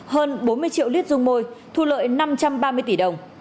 hơn bốn mươi triệu lít dung môi thu lợi năm trăm ba mươi tỷ đồng